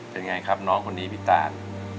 เป็นไงครับน้องคนนี้พี่ตาน